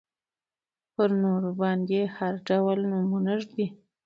په نورو باندې هر ډول نومونه ږدي.